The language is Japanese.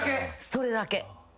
それだけ。